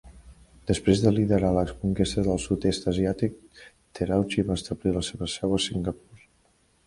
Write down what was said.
Després de liderar la conquesta del sud-est asiàtic, Terauchi va establir la seva seu a Singapur.